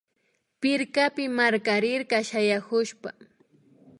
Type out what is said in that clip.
Pirkapi markarirka shayakushpa